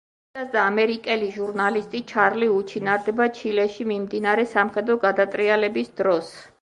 ახალგაზრდა ამერიკელი ჟურნალისტი ჩარლი უჩინარდება ჩილეში მიმდინარე სამხედრო გადატრიალების დროს.